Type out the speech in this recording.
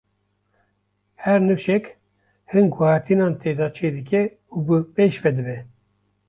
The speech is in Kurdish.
Her nifşek, hin guhertinan tê de çêdike û bi pêş ve dibe.